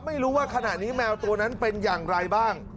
ไม่รู้ว่าขณะนี้แมวตัวนั้นเป็นอย่างไรบ้าง